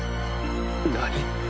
何？